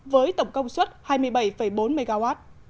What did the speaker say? với tổng công suất hai mươi bảy bốn mw